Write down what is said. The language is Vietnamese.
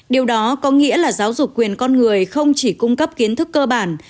điều đó có nghĩa là giáo dục quyền con người không chỉ cung cấp kiến thức cơ bản